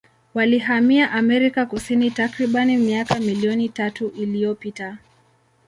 Walihamia Amerika Kusini takribani miaka milioni tatu iliyopita.